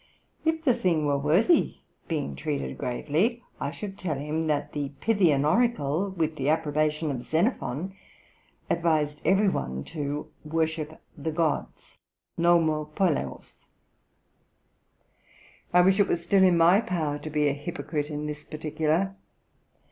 If the thing were worthy being treated gravely, I should tell him that the Pythian oracle, with the approbation of Xenophon, advised every one to worship the gods [Greek: nomo poleos]. I wish it were still in my power to be a hypocrite in this particular.